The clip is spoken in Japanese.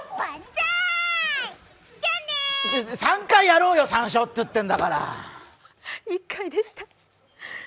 ３回やろうよ、三唱って言ってるんだから。